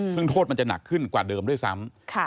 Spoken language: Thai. ซึ่งโทษมันจะหนักขึ้นกว่าเดิมด้วยซ้ำ